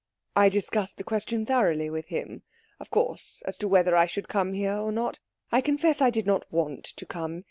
"I discussed the question thoroughly with him, of course, as to whether I should come here or not. I confess I did not want to come.